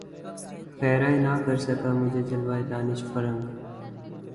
خیرہ نہ کر سکا مجھے جلوۂ دانش فرنگ